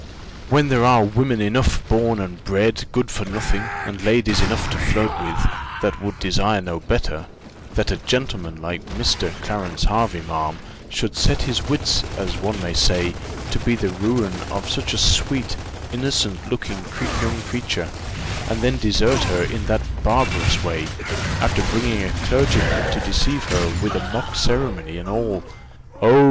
"When there are women enough born and bred good for nothing, and ladies enough to flirt with, that would desire no better, that a gentleman like Mr. Clarence Hervey, ma'am, should set his wits, as one may say, to be the ruin of such a sweet, innocent looking young creature, and then desert her in that barbarous way, after bringing a clergyman to deceive her with a mock ceremony, and all oh!